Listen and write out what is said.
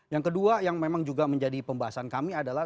yang kedua yang memang juga menjadi pembahasan kami adalah